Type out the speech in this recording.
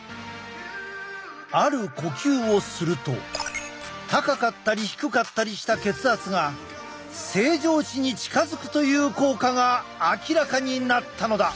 ある呼吸をすると高かったり低かったりした血圧が正常値に近づくという効果が明らかになったのだ。